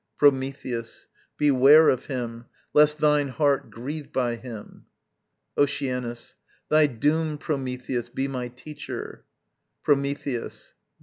Prometheus. Beware of him, lest thine heart grieve by him. Oceanus. Thy doom, Prometheus, be my teacher! _Prometheus.